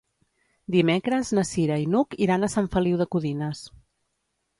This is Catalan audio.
Dimecres na Cira i n'Hug iran a Sant Feliu de Codines.